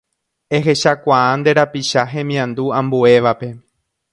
Ehechakuaa nde rapicha hemiandu ambuévape.